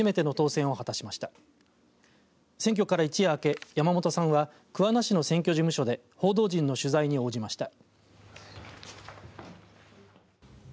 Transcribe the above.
選挙から一夜明け山本さんは桑名市の選挙事務所で報道陣の取材に応じました。